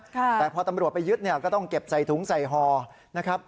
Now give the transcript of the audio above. แต่พอตำรวจไปยึดเนี่ยก็ต้องเก็บใส่ถุงใส่ห่อนะครับ